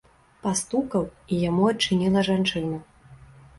Пастукаў, і яму адчыніла жанчына.